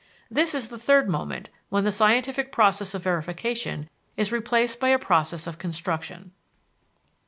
This is the third moment, when the scientific process of verification is replaced by a process of construction.